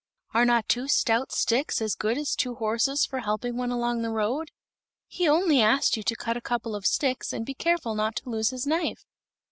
"Are not two stout sticks as good as two horses for helping one along on the road? He only asked you to cut a couple of sticks and be careful not to lose his knife."